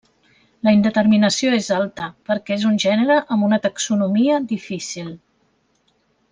La indeterminació és alta perquè és un gènere amb una taxonomia difícil.